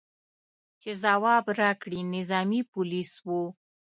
چې ځواب راکړي، نظامي پولیس و.